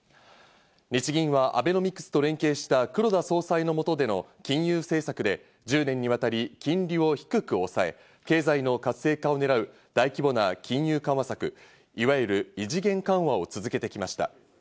日銀はアベノミクスと連携した黒田総裁の下での金融政策で１０年にわたり金利を低く抑え、経済の活性化を狙う大規模な金融緩和策、いわゆる異次元緩和を続けてきました。